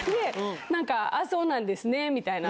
なんかそうなんですねみたいな。